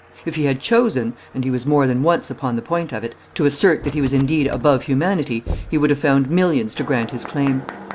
If he had chosen and he was more than once upon the point of it to assert that he was indeed above humanity he would have found millions to grant his claim.